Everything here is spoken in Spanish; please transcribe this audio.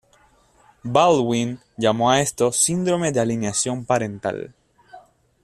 Baldwin llamó a esto síndrome de alienación parental.